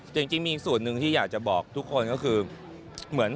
จริงมีสูตรหนึ่งที่อยากจะบอกทุกคนก็คือ